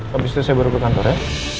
habis itu saya baru ke kantor ya